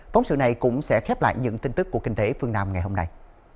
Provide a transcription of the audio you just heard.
phóng sự này cũng sẽ khép lại những tin tức của kinh tế phương nam ngày hôm nay